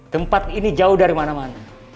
tempat ini jauh dari mana mana